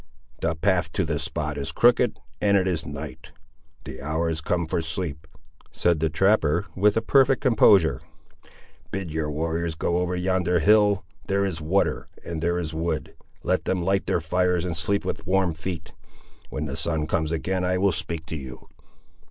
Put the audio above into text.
"The path to the spot is crooked, and it is night. The hour is come for sleep," said the trapper, with perfect composure. "Bid your warriors go over yonder hill; there is water and there is wood; let them light their fires and sleep with warm feet. When the sun comes again I will speak to you."